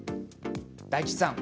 大吉さん。